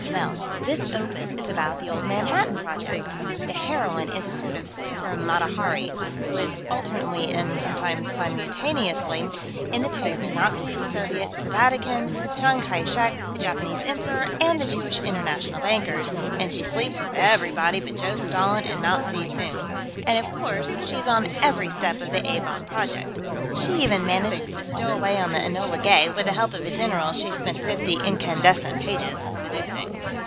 "Well, this opus is about the old Manhattan Project. The heroine is a sort of super Mata Hari, who is, alternately and sometimes simultaneously, in the pay of the Nazis, the Soviets, the Vatican, Chiang Kai Shek, the Japanese Emperor, and the Jewish International Bankers, and she sleeps with everybody but Joe Stalin and Mao Tse tung, and of course, she is in on every step of the A bomb project. She even manages to stow away on the Enola Gay, with the help of a general she's spent fifty incandescent pages seducing.